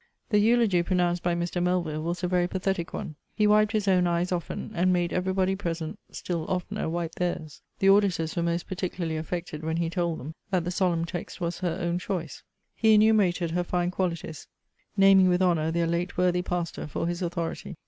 The eulogy pronounced by Mr. Melvill was a very pathetic one. He wiped his own eyes often, and made every body present still oftener wipe theirs. The auditors were most particularly affected, when he told them, that the solemn text was her own choice. He enumerated her fine qualities, naming with honour their late worthy pastor for his authority.